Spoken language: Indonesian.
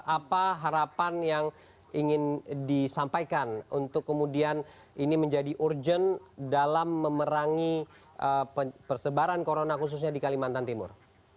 apa harapan yang ingin disampaikan untuk kemudian ini menjadi urgent dalam memerangi persebaran corona khususnya di kalimantan timur